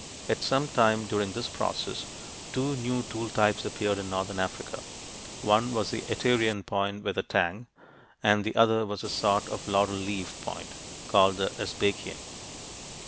At some time during this process, two new tool types appeared in northern Africa: one was the Aterian point with a tang (p. 67), and the other was a sort of "laurel leaf" point, called the "Sbaikian."